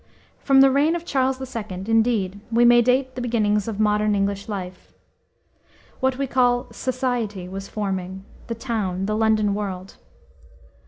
From the reign of Charles II., indeed, we may date the beginnings of modern English life. What we call "society" was forming, the town, the London world.